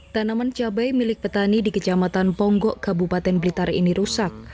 tanaman cabai milik petani di kecamatan ponggok kabupaten blitar ini rusak